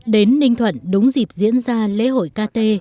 đến ninh thuận đúng dịp diễn ra lễ hội kt